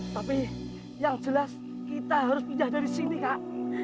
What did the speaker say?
tapi yang jelas kita harus pindah dari sini kak